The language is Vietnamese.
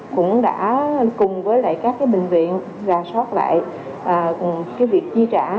cũng đã cùng với lại các cái bệnh viện ra sót lại cùng cái việc chi trả